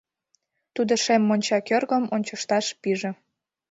Тудо шем монча кӧргым ончышташ пиже.